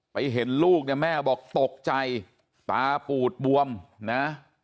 เห็นลูกเนี่ยแม่บอกตกใจตาปูดบวมนะ